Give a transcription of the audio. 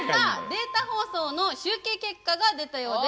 データ放送の集計結果が出ました。